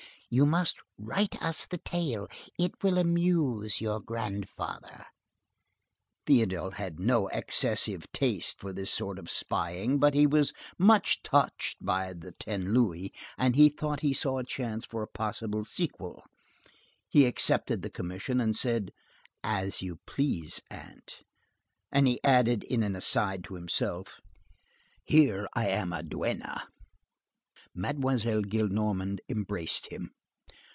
You must write us the tale. It will amuse his grandfather." Théodule had no excessive taste for this sort of spying; but he was much touched by the ten louis, and he thought he saw a chance for a possible sequel. He accepted the commission and said: "As you please, aunt." And he added in an aside, to himself: "Here I am a duenna." Mademoiselle Gillenormand embraced him.